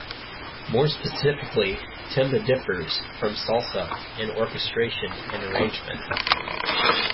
More specifically, timba differs from salsa in orchestration and arrangement.